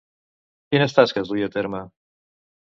Quines tasques duia a terme?